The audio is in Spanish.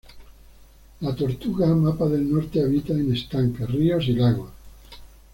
La tortuga mapa del norte habita en estanques, ríos y lagos.